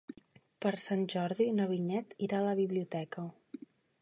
Per Sant Jordi na Vinyet irà a la biblioteca.